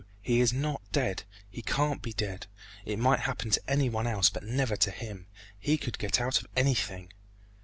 he is not dead! he can't be dead! It might happen to any one else, but never to him! He could get out of anything!"